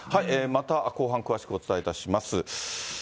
また後半詳しくお伝えいたします。